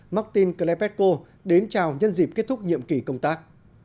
martin calepeco đến chào nhân dịp kết thúc nhiệm kỳ công tác